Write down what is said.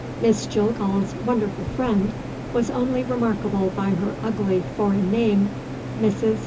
Miss Jillgall's wonderful friend was only remarkable by her ugly foreign name MRS.